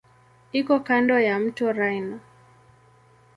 Iko kando ya mto Rhine.